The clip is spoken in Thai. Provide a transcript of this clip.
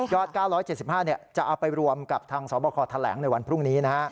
ยอด๙๗๕เนี่ยจะเอาไปรวมกับทางสอบคอทะแหลงในวันพรุ่งนี้นะครับ